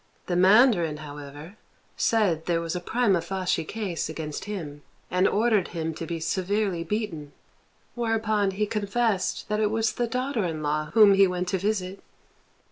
The mandarin, however, said there was a primâ facie case against him, and ordered him to be severely beaten, whereupon he confessed that it was the daughter in law whom he went to visit.